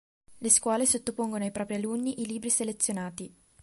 Le scuole sottopongono ai propri alunni i libri selezionati.